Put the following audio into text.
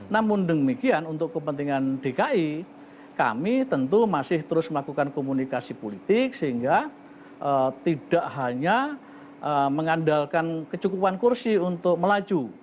namun demikian untuk kepentingan dki kami tentu masih terus melakukan komunikasi politik sehingga tidak hanya mengandalkan kecukupan kursi untuk melaju